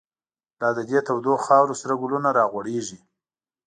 لا د دی تودو خاورو، سره گلونه را غوړیږی